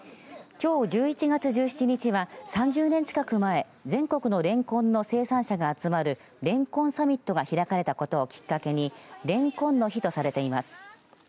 きょう１１月１７日は３０年近く前、全国のレンコンの生産者が集まるレンコンサミットが開かれたことをきっかけにレンコンの日とされています。